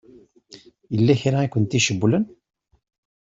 Yella kra i kent-icewwlen?